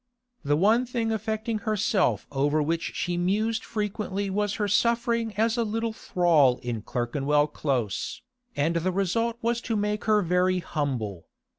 The one thing affecting herself over which she mused frequently was her suffering as a little thrall in Clerkenwell Close, and the result was to make her very humble.